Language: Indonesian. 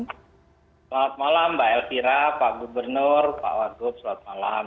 selamat malam mbak elvira pak gubernur pak wagub selamat malam